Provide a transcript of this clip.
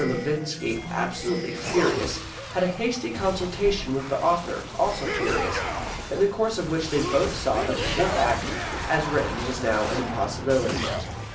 Levinski (absolutely furious) had a hasty consultation with the author (also furious), in the course of which they both saw that the Fourth Act as written was now an impossibility.